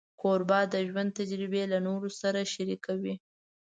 کوربه د ژوند تجربې له نورو سره شریکوي.